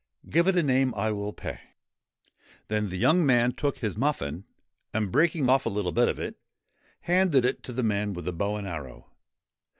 ' Give it a name : I will pay ' Then the young man took his muffin, and, breaking off a little bit of it, handed it to the man with the bow and arrow.